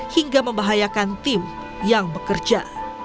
hingga membahayakan tim yang bekerja